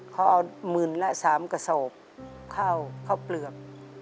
ให้เอา๑หมื่นละ๓สอบข้าวเข้าเปลือก